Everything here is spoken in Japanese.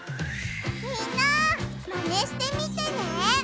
みんなマネしてみてね！